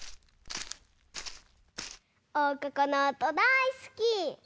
おうかこのおとだいすき！